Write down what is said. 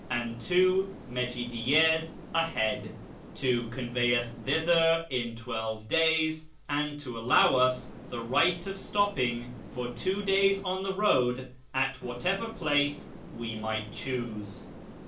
and 2 mejidiyy^s a head ; to convey us thither in twelve days ; and to allow us the right of stopping for two days on the road at whatever place we might choose.